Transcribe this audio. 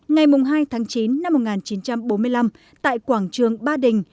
ngày hai tháng chín năm một nghìn chín trăm bốn mươi năm tại quảng trường ba đình